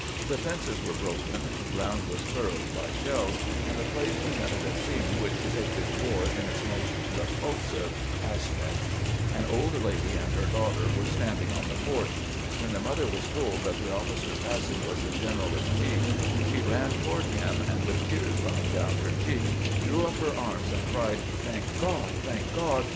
The fences were broken, the ground was furrowed by shells ; and the place presented a scene which depicted war in its most repulsive aspect. An old lady and her daughter were standing on the porch. When the mother was told that the officer passing was the general in chief, she ran toward him, and with the tears running down her cheeks, threw up her arms and cried, " Thank Grod ! thank God